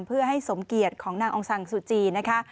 เพื่อให้สมเกียจของนางองซังซูจีนะคะ